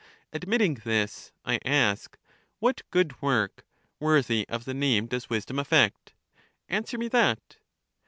Admitting this, I ask, what good work, worthy of the name, does wisdom effect? Answer me that.